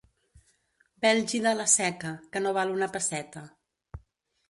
Bèlgida la seca, que no val una pesseta.